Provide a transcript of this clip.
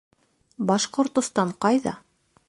Башҡортостан ҡайҙа?